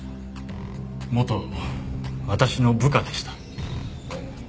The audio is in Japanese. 元私の部下でした。